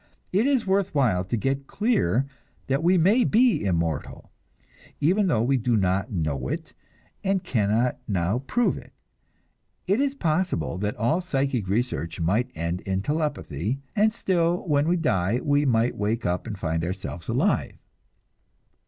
It is worth while to get clear that we may be immortal, even though we do not now know it and cannot now prove it; it is possible that all psychic research might end in telepathy, and still, when we die, we might wake up and find ourselves alive.